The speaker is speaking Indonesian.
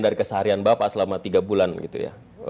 dari keseharian bapak selama tiga bulan gitu ya